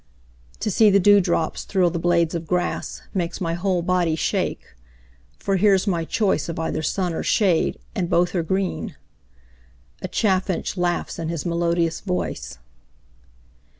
To see the dewdrops thrill the blades of grass, Makes my whole body shake; for here's my choice Of either sun or shade, and both are green A Chaffinch laughs in his melodious voice.